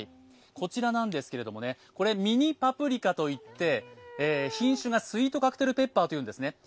こちらなんですけれども、ミニパプリカといって品種がスイートカクテルペッパーというんですね。